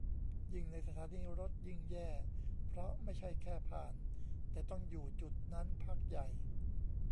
ยิ่งในสถานีรถยิ่งแย่ เพราะไม่ใช่แค่ผ่าน แต่ต้องอยู่จุดนั้นพักใหญ่